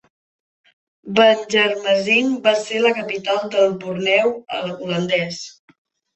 Banjarmasin va ser la capital del Borneo holandès.